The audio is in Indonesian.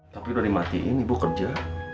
tapi udah dimatiin ibu kerja